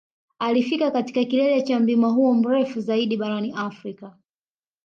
Alifika katika kilele cha mlima huo mrefu zaidi barani Afrika